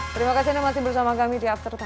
terima kasih anda masih bersama kami di after sepuluh